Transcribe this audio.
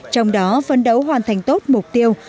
trong đó vấn đấu hoàn thành tốt mục tiêu